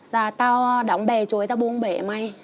và tao đóng bề chuối tao buông bể mày